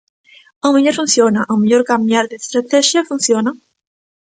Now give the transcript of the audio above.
Ao mellor funciona, ao mellor cambiar de estratexia funciona.